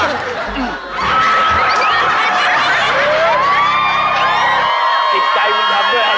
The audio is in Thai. กลิ่นใจหวงทำเรื่องอะไรนี่๖๔๒